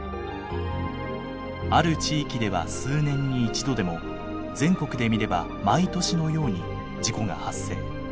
ある地域では数年に一度でも全国で見れば毎年のように事故が発生。